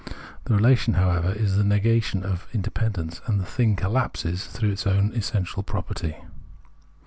The relation, however, is the negation of its independence, and the thing collapses through its own essential property.